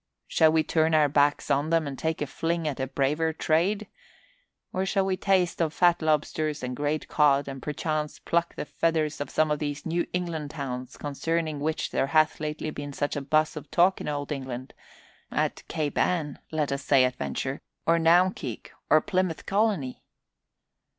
Shall we turn our backs on them and take a fling at a braver trade? Or shall we taste of fat lobsters and great cod, and perchance pluck the feathers from some of these New England towns concerning which there hath lately been such a buzz of talk in old England at Cape Ann, let us say at venture, or Naumkeag, or Plymouth Colony?"